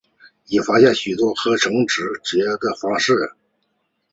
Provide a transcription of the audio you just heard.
已发现许多合成分子结的方式。